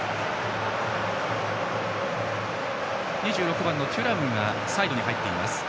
２６番、テュラムがサイドに入っています。